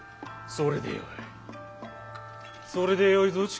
それでよいぞ筑前。